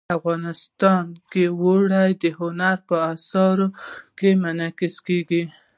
افغانستان کې اوړي د هنر په اثار کې منعکس کېږي.